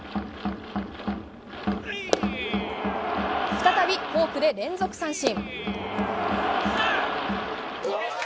再びフォークで連続三振。